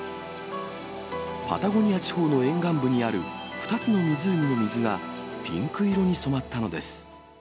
パタゴニア地方の沿岸部にある２つの湖の水がピンク色に染まったのです。